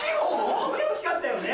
すごい大っきかったよね！